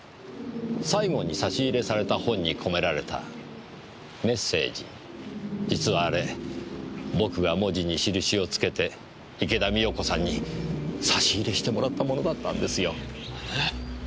最後に差し入れされた本に込められたメッセージ実はあれ僕が文字に印を付けて池田美代子さんに差し入れしてもらったものだったんですよ。えっ？